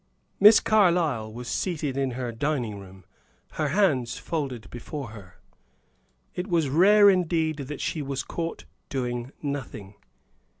Miss Carlyle was seated in her dining room, her hands folded before her. It was rare indeed that she was caught doing nothing.